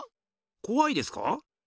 こわいですか？